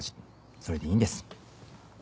それでいいんです。